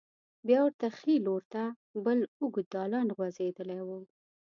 بیا ورته ښې لور ته بل اوږد دالان غوځېدلی و.